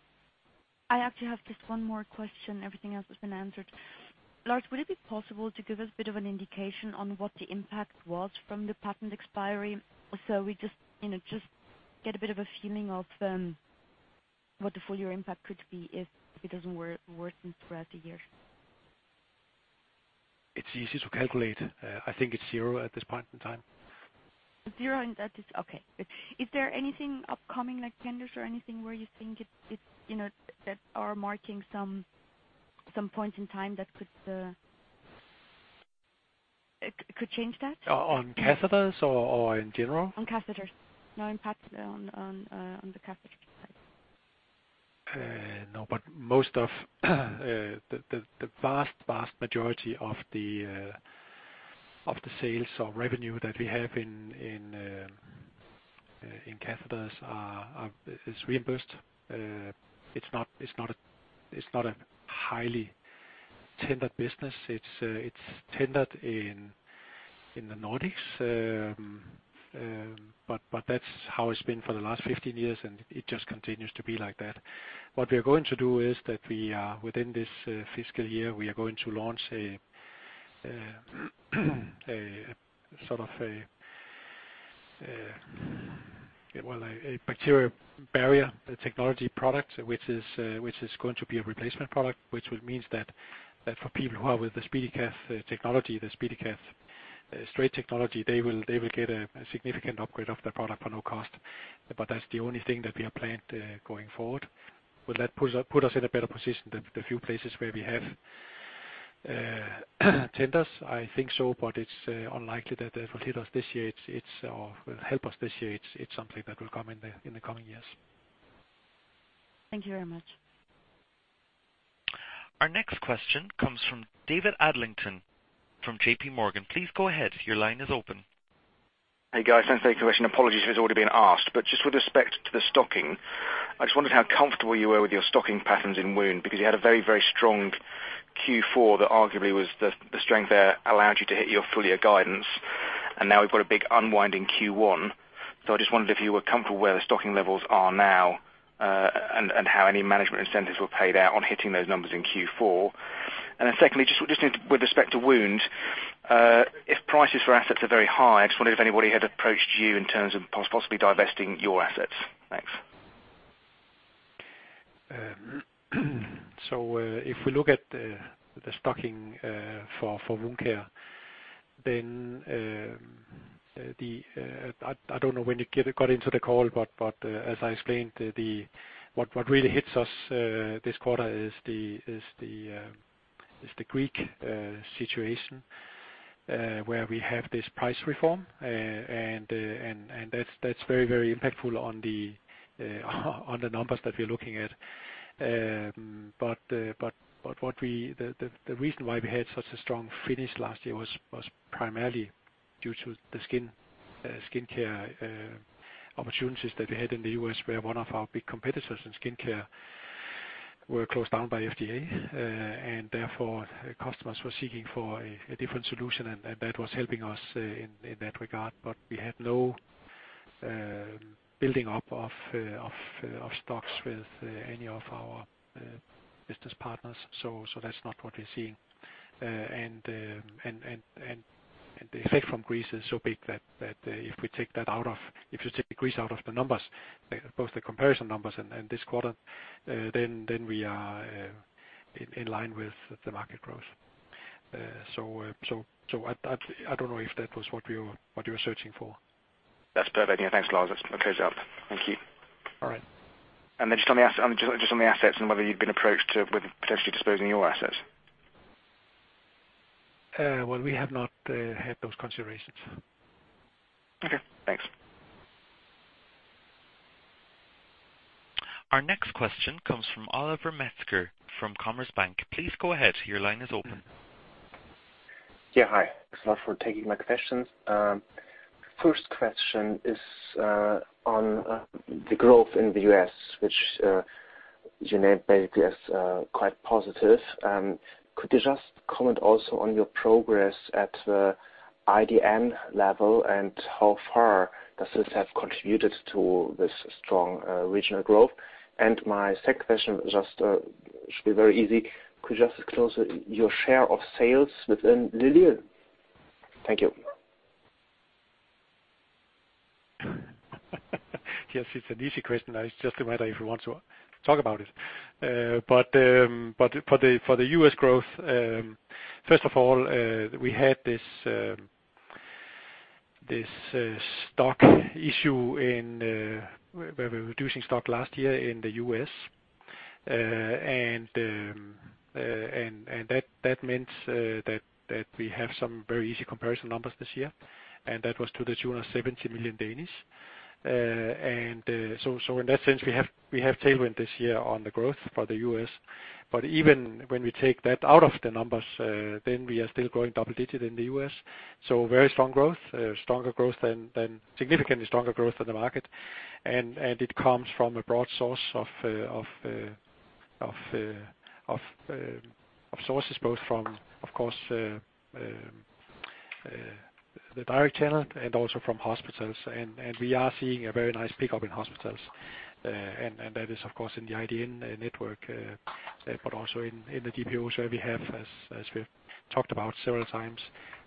Speaker 13: I actually have just one more question. Everything else has been answered. Lars, would it be possible to give us a bit of an indication on what the impact was from the patent expiry? We just, you know, just get a bit of a feeling of, what the full year impact could be if it doesn't worsen throughout the year.
Speaker 2: It's easy to calculate. I think it's zero at this point in time.
Speaker 13: Zero. That is okay. Is there anything upcoming, like tenders or anything, where you think it, you know, that are marking some point in time that could change that?
Speaker 2: On catheters or in general?
Speaker 13: On catheters. No, impact on, on the catheter side.
Speaker 2: Most of the vast majority of the sales or revenue that we have in catheters is reimbursed. It's not, it's not a, it's not a highly tendered business. It's tendered in the Nordics. That's how it's been for the last 15 years, and it just continues to be like that. What we are going to do is that we are, within this fiscal year, we are going to launch a sort of a well, a bacterial barrier technology product, which is going to be a replacement product, which would means that for people who are with the SpeediCath technology, the SpeediCath straight technology, they will get a significant upgrade of their product for no cost. That's the only thing that we have planned going forward. Will that put us in a better position than the few places where we have tenders? I think so, it's unlikely that they will hit us this year. Or help us this year. It's something that will come in the coming years.
Speaker 13: Thank you very much.
Speaker 1: Our next question comes from David Adlington from JPMorgan. Please go ahead. Your line is open.
Speaker 14: Hey, guys. Thanks for taking the question. Apologies if it's already been asked, but just with respect to the stocking, I just wondered how comfortable you were with your stocking patterns in Wound, because you had a very, very strong Q4 that arguably was the strength there allowed you to hit your full year guidance, and now we've got a big unwind in Q1. I just wondered if you were comfortable where the stocking levels are now, and how any management incentives were paid out on hitting those numbers in Q4? Secondly, just with respect to Wound, if prices for assets are very high, I just wondered if anybody had approached you in terms of possibly divesting your assets. Thanks.
Speaker 2: If we look at the stocking, for Wound Care, then, I don't know when you got into the call, but as I explained, What really hits us this quarter is the Greek situation, where we have this price reform. That's very impactful on the numbers that we're looking at. The reason why we had such a strong finish last year was primarily due to the skin, skincare opportunities that we had in the U.S., where one of our big competitors in skincare were closed down by FDA. Therefore, customers were seeking for a different solution, and that was helping us in that regard. We had no building up of stocks with any of our business partners. That's not what we're seeing. The effect from Greece is so big that if you take Greece out of the numbers, both the comparison numbers and this quarter, then we are in line with the market growth. I don't know if that was what you were searching for?
Speaker 14: That's perfect. Yeah, thanks, Lars. That's closes out. Thank you.
Speaker 2: All right.
Speaker 14: Just on the assets and whether you've been approached to, with potentially disposing your assets?
Speaker 2: Well, we have not had those considerations.
Speaker 14: Okay, thanks.
Speaker 1: Our next question comes from Oliver Metzger from Commerzbank. Please go ahead. Your line is open.
Speaker 15: Yeah, hi. Thanks a lot for taking my questions. First question is on the growth in the U.S., which you named basically as quite positive. Could you just comment also on your progress at IDN level, and how far does this have contributed to this strong regional growth? My second question, just should be very easy: Could you just disclose your share of sales within Lilial? Thank you.
Speaker 2: Yes, it's an easy question. It's just a matter if you want to talk about it. For the US growth, first of all, we had this stock issue in where we were reducing stock last year in the U.S. That means that we have some very easy comparison numbers this year, and that was to the 270 million. In that sense, we have tailwind this year on the growth for the U.S. Even when we take that out of the numbers, then we are still growing double-digit in the US. Very strong growth, stronger growth than significantly stronger growth than the market. It comes from a broad source of sources, both from, of course, the direct channel and also from hospitals. We are seeing a very nice pickup in hospitals. That is, of course, in the IDN network, but also in the DPO, where we have, as we've talked about several times,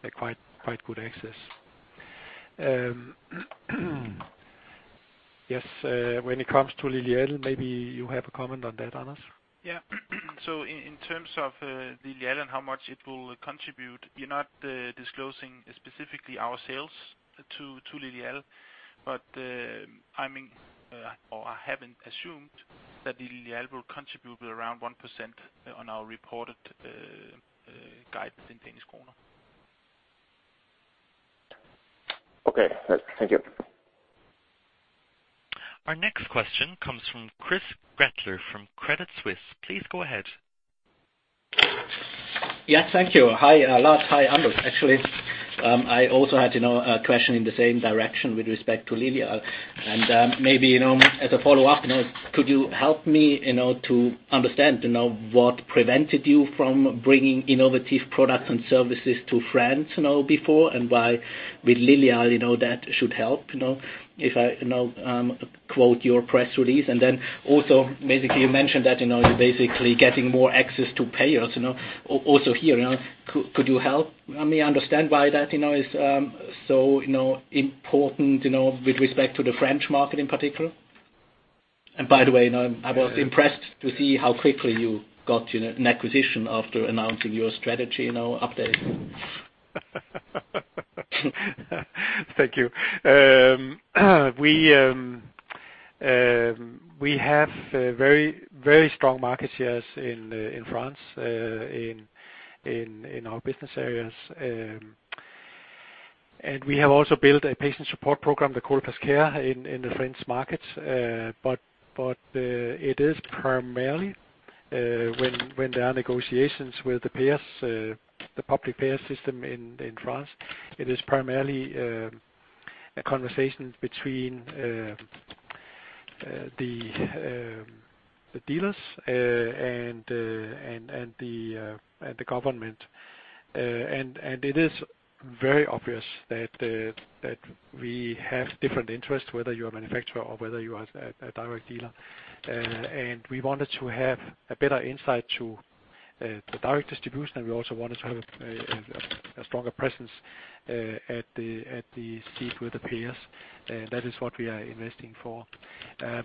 Speaker 2: good access. Yes, when it comes to Lilial, maybe you have a comment on that, Anders?
Speaker 3: In terms of Lilial and how much it will contribute, we're not disclosing specifically our sales to Lilial, but I mean, or I haven't assumed that Lilial will contribute around 1% on our reported guide in Danish kroner.
Speaker 15: Okay. Thank you.
Speaker 1: Our next question comes from Christoph Gretler from Credit Suisse. Please go ahead.
Speaker 16: Yes, thank you. Hi, Lars. Hi, Anders. Actually, I also had, you know, a question in the same direction with respect to Lilial. Maybe, you know, as a follow-up, you know, could you help me, you know, to understand, you know, what prevented you from bringing innovative products and services to France, you know, before? Why with Lilial, you know, that should help, you know, if I, you know, quote your press release. Also, basically, you mentioned that, you know, you're basically getting more access to payers, you know, also here, you know, could you help me understand why that, you know, is so, you know, important, you know, with respect to the French market in particular? By the way, you know, I was impressed to see how quickly you got, you know, an acquisition after announcing your strategy, you know, update.
Speaker 2: Thank you. We have a very, very strong market shares in France in our business areas. We have also built a patient support program, the Coloplast Care, in the French markets. It is primarily when there are negotiations with the payers, the public payer system in France, it is primarily a conversation between the dealers and the government. It is very obvious that we have different interests, whether you're a manufacturer or whether you are a direct dealer. We wanted to have a better insight to the direct distribution, and we also wanted to have a stronger presence at the seat with the payers. That is what we are investing for. I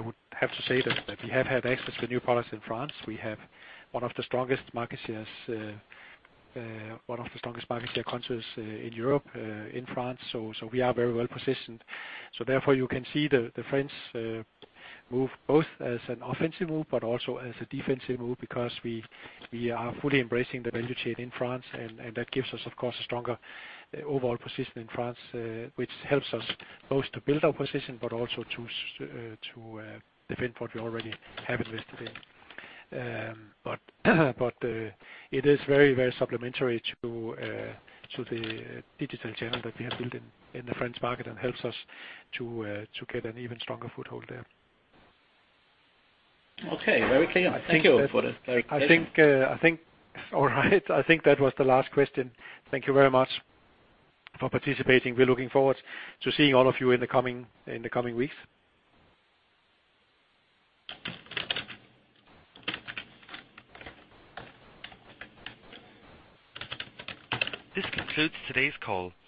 Speaker 2: would have to say that we have had access to new products in France. We have one of the strongest market shares, one of the strongest market share countries in Europe, in France, so we are very well positioned. Therefore, you can see the French move both as an offensive move but also as a defensive move, because we are fully embracing the value chain in France, and that gives us, of course, a stronger overall position in France, which helps us both to build our position but also to defend what we already have invested in. It is very, very supplementary to the digital channel that we have built in the French market and helps us to get an even stronger foothold there.
Speaker 16: Okay, very clear. Thank you for the clarification.
Speaker 2: All right, I think that was the last question. Thank you very much for participating. We're looking forward to seeing all of you in the coming weeks.
Speaker 1: This concludes today's call. Thank you.